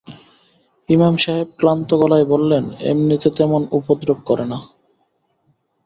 ইমাম সাহেব ক্লান্ত গলায় বললেন, এমনিতে তেমন উপদ্রব করে না।